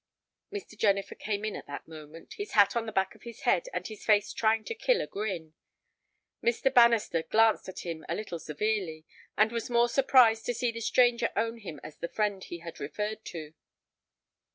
Mr. Jennifer came in at that moment, his hat on the back of his head and his face trying to kill a grin. Mr. Bannister glanced at him a little severely, and was more surprised to see the stranger own him as the friend he had referred to.